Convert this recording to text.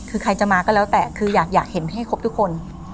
คือใครจะมาก็แล้วแต่คืออยากเห็นให้ครบทุกคน